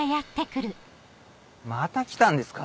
また来たんですか？